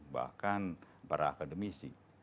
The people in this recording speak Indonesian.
bahkan para akademisi